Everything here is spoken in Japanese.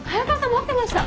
待ってました。